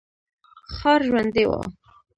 ښار ژوندی و.